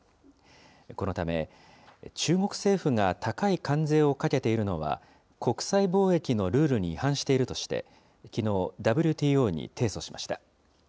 このため、中国政府が高い関税をかけているのは、国際貿易のルールに違反しているとして、きのう、ＷＴＯに提訴しました。